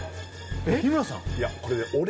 日村さん？